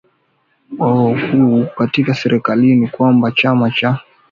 o kuu katika serikalini kwamba chama cha nrm